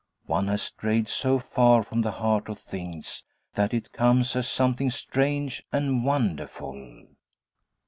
One has strayed so far from the heart of things, that it comes as something strange and wonderful!